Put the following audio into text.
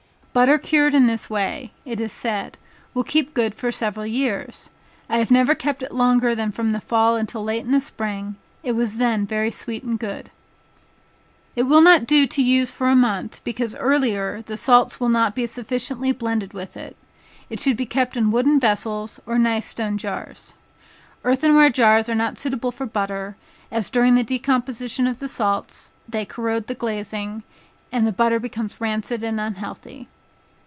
Butter cured in this way, (it is said) will keep good for several years. I have never kept it longer than from the fall until late in the spring, it was then very sweet and good. It will not do to use for a month, because earlier, the salts will not be sufficiently blended with it. It should be kept in wooden vessels, or nice stone jars. Earthen ware jars are not suitable for butter, as during the decomposition of the salts, they corrode the glazing; and the butter becomes rancid and unhealthy.